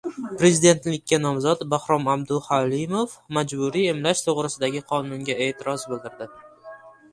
Prezidentlikka nomzod Bahrom Abduhalimov majburiy emlash to‘g‘risidagi qonunga e’tiroz bildirdi